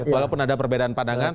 walaupun ada perbedaan pandangan